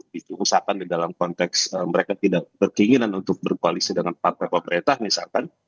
diusahakan di dalam konteks mereka tidak berkeinginan untuk berkoalisi dengan partai pemerintah misalkan